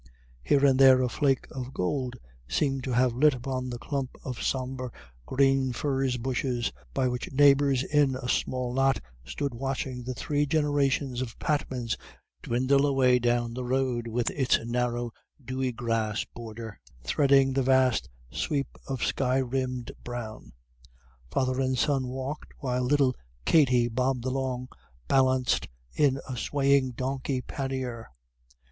Here and there a flake of gold seemed to have lit upon the clump of sombre green furze bushes, by which neighbours in a small knot stood watching the three generations of Patmans dwindle away down the road with its narrow dewy grass border, threading the vast sweep of sky rimmed brown. Father and son walked, while little Katty bobbed along, balanced in a swaying donkey pannier.